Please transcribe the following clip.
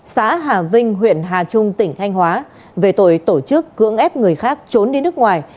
xã hà vinh huyện hà trung tỉnh thanh hóa về tội tổ chức cưỡng ép người khác trốn đi nước ngoài